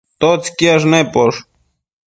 ¿atotsi quiash neposh?